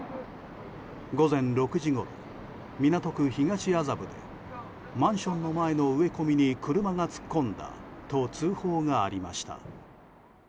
午前６時ごろ、港区東麻布でマンションの前の植え込みに車が突っ込んだと通報がありました。